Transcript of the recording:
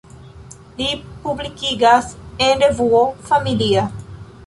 Li publikigas en revuo "Familia".